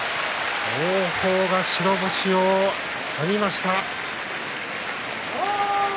王鵬が白星をつかみました。